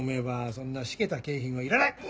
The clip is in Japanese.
そんなしけた景品はいらない！